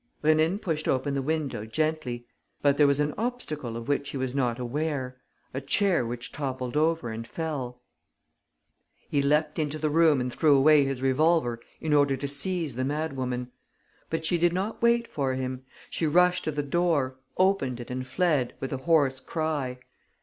Rénine pushed open the window gently. But there was an obstacle of which he was not aware, a chair which toppled over and fell. He leapt into the room and threw away his revolver in order to seize the madwoman. But she did not wait for him. She rushed to the door, opened it and fled, with a hoarse cry.